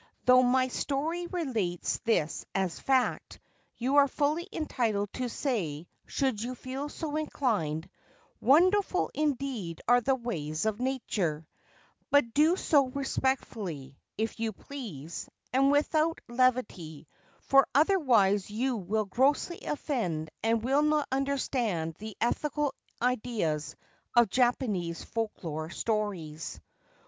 Though my story relates this as fact, you are fully entitled to say, should you feel so inclined, c Wonderful indeed are the ways of Nature '; but do so respectfully, if you please, and without levity, for other wise you will grossly offend and will not understand the ethical ideas of Japanese folklore stones.